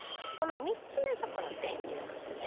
３つ目がこの電流なんですね。